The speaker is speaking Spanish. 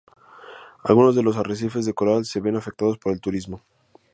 Algunos de los arrecifes de coral se ven afectados por el turismo.